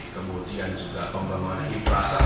kemudian juga pembangunan infrastruktur